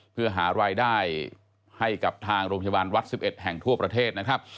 เพื่อหารายได้ให้กับทางโรงพยาบาลวัด๑๑แห่งทั่วประเทศนะครับ